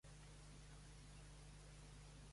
Va compondre música per a piano i simfònica.